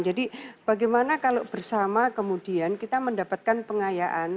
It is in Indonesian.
jadi bagaimana kalau bersama kemudian kita mendapatkan pengayaan